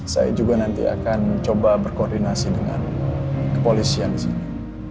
saya juga nanti akan coba berkoordinasi dengan kepolisian di sini